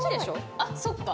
あっそっか。